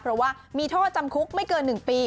เพราะว่ามีโทษจำคุกไม่เกิน๑ปี